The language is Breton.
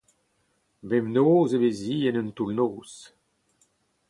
Bemnoz e vez-hi en un toull-noz.